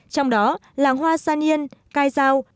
trong đó làng hoa san yên cai giao